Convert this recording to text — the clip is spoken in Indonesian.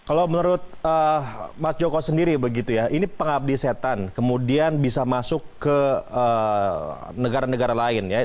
kalau menurut mas joko sendiri begitu ya ini pengabdi setan kemudian bisa masuk ke negara negara lain ya